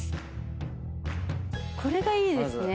これがいいですね。